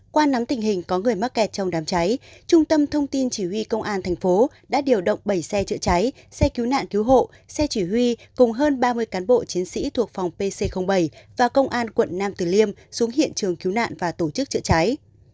qua nắm tình hình có người mắc kẹt trong đám cháy trung tâm thông tin chỉ huy công an thành phố đã điều động bảy xe chữa cháy xe cứu nạn cứu hộ xe chỉ huy cùng hơn ba mươi cán bộ chiến sĩ thuộc phòng pc bảy và công an quận nam tử liêm xuống hiện trường cứu nạn và tổ chức chữa cháy